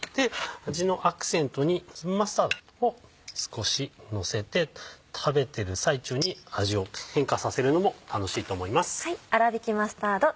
味のアクセントにマスタードを少しのせて食べてる最中に味を変化させるのも楽しいと思います。